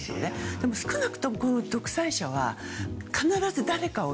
でも少なくとも独裁者は必ず誰かを